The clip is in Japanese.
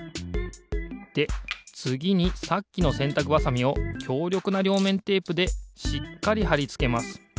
でつぎにさっきのせんたくばさみをきょうりょくなりょうめんテープでしっかりはりつけます。